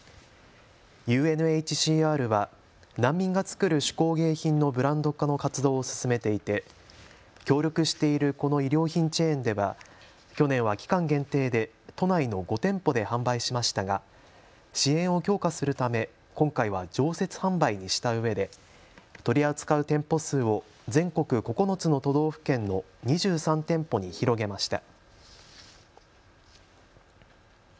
ＵＮＨＣＲは難民が作る手工芸品のブランド化の活動を進めていて協力しているこの衣料品チェーンでは去年は期間限定で都内の５店舗で販売しましたが支援を強化するため今回は常設販売にしたうえで取り扱う店舗数を全国９つの都道府県の２３店舗に広げました。